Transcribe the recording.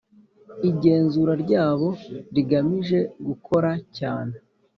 igenzura ryabo rigamije gukora cyane.